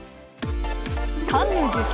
カンヌ受賞